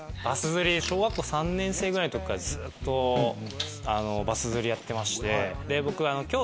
小学校３年生ぐらいの時からずっとバス釣りやってまして。